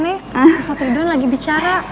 ustaduduan lagi bicara